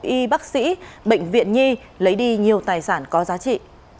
y bác sĩ bệnh viện nhi lấy đi nhiều tài sản có giá trị